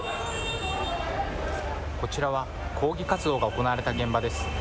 こちらは抗議活動が行われた現場です。